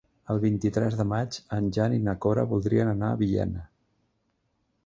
El vint-i-tres de maig en Jan i na Cora voldrien anar a Villena.